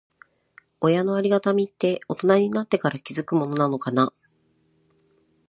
親のありがたみって、大人になってから気づくものなのかな。